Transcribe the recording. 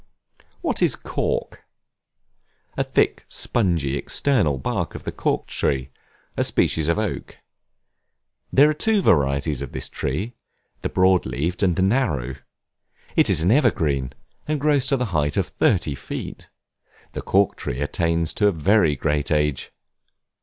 What is Cork? The thick, spongy, external bark of the Cork Tree, a species of oak. There are two varieties of this tree, the broad leaved and the narrow: it is an evergreen, and grows to the height of thirty feet. The Cork Tree attains to a very great age.